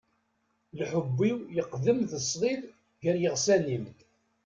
Lḥubb-iw yeqdem d sḍid gar yiɣsan-im.